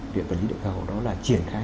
viện vật lý địa cầu đó là triển khai